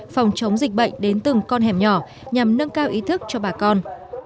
phòng chống dịch bệnh đến từng con hẻm nhỏ nhằm nâng cao ý thức cho bà con